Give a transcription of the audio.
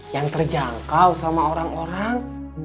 yang terjangkau sama orang orang